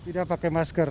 tidak pakai masker